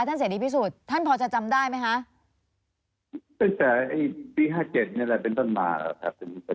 ท่านเสดีพิสูจน์ท่านพอจะจำได้ไหมคะ